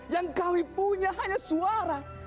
yang kami punya hanya suara